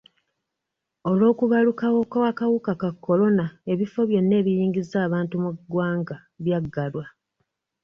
Olw'okubalukawo kw'akawuka ka kolona, ebifo byonna ebiyingiza abantu mu ggwanga byaggalwa.